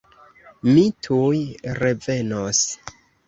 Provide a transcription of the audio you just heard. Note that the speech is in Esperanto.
Mi tuj revenos!